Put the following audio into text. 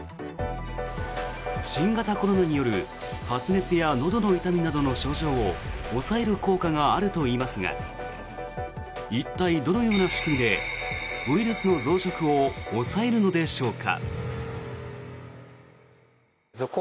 新型コロナによる発熱やのどの痛みなどの症状を抑える効果があるといいますが一体、どのような仕組みでウイルスの増殖を抑えるのでしょうか。